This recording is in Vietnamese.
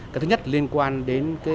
cái thứ nhất liên quan đến